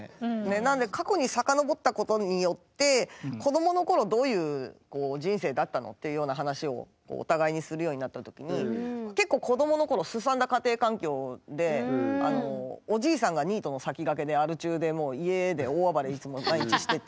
なんで過去に遡ったことによって子どものころどういう人生だったのっていうような話をお互いにするようになったときに結構子どものころでアル中でもう家で大暴れいつも毎日してて。